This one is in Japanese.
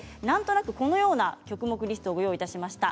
このような曲目リストをご用意しました。